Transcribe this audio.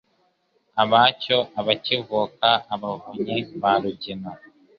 Abacyo abacyivuka Abavunyi ba Rugina.